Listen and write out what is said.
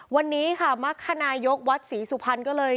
วันนี้ค่ะมรรคนายกวัดศรีสุพรรณก็เลย